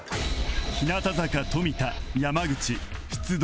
日向坂富田山口出動